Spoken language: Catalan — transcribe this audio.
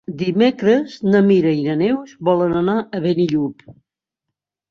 Dimecres na Mira i na Neus volen anar a Benillup.